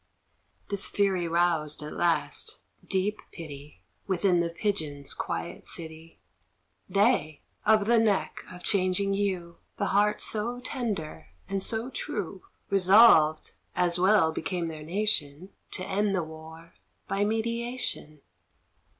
This fury roused, at last, deep pity, Within the pigeons' quiet city; They of the neck of changing hue, The heart so tender and so true Resolved, as well became their nation, To end the war by mediation.